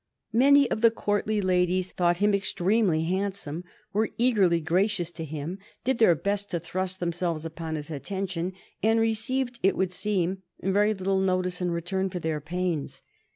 Many of the courtly ladies thought him extremely handsome, were eagerly gracious to him, did their best to thrust themselves upon his attention, and received, it would seem, very little notice in return for their pains.